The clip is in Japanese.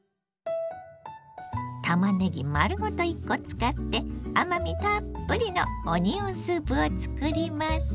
たまねぎ丸ごと１コ使って甘みたっぷりのオニオンスープを作ります。